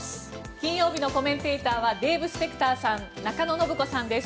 金曜日のコメンテーターはデーブ・スペクターさん中野信子さんです。